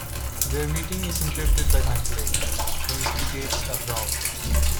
Their meeting is interrupted by McLain, who instigates a brawl.